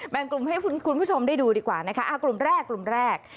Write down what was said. กลุ่มให้คุณผู้ชมได้ดูดีกว่านะคะกลุ่มแรกกลุ่มแรก